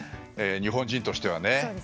日本人としてはね。